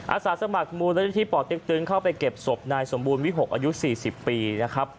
อาสาสมัครมูลนิธิป่อเต็กตึงเข้าไปเก็บศพนายสมบูรณวิหกอายุ๔๐ปีนะครับ